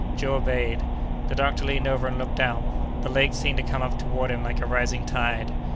Joe obeyed. The doctor leaned over and looked out. The lake seemed to come up toward him like a rising tide.